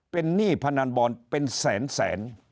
เป็นนี่พนันบอนเป็นแสน